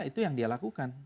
itu yang dia lakukan